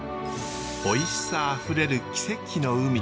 おいしさあふれる奇跡の海。